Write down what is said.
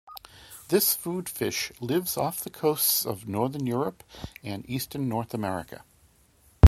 This food fish lives off the coasts of northern Europe and eastern North America.